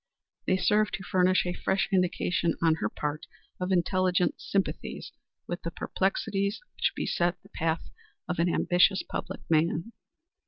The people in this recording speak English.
They served to furnish a fresh indication on her part of intelligent sympathy with the perplexities which beset the path of an ambitious public man.